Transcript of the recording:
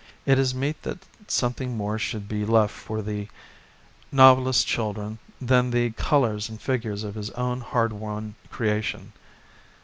It is meet that something more should be left for the novelist's children than the colours and figures of his own hard won creation.